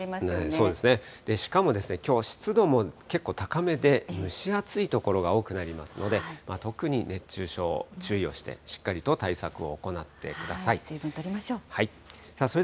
そうですね、しかもですね、きょうは湿度も結構高めで、蒸し暑い所が多くなりますので、特に熱中症、注意をして、しっかりと水分とりましょう。